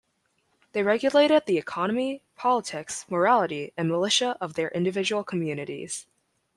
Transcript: They regulated the economy, politics, morality, and militia of their individual communities.